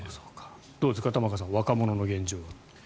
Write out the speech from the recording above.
どうですか、玉川さん若者の現状。